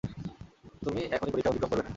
তুমি এখনই পরিখা অতিক্রম করবে না।